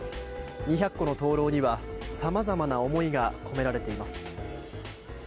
２００個の灯籠にはさまざまな思いが込められています。